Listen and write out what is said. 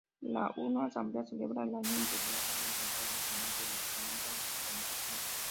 La I Asamblea celebrada el año anterior había intentado definir ideológicamente a la organización.